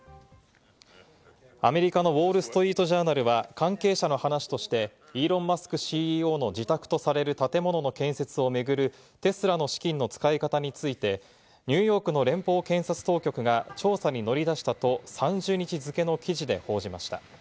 アメリカのウォール・ストリート・ジャーナルは関係者の話として、イーロン・マスクＣＥＯの自宅とされる建物の建設を巡るテスラの資金の使い方について、ニューヨークの連邦検察当局が調査に乗り出したと３０日付の記事で報じました。